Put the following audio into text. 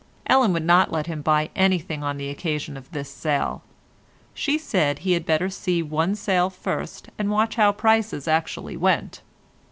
Ellen would not let him buy anything on the occasion of this sale; she said he had better see one sale first and watch how prices actually went.